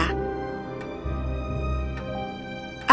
mereka bersama sama untuk menyelamatkan kerajaan mereka